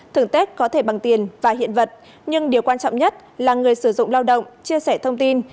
thường tết có thể bằng tiền và hiện vật nhưng điều quan trọng nhất là người sử dụng lao động chia sẻ thông tin